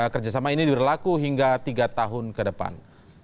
kerjasama ini diberlaku hingga tiga tahun ke depan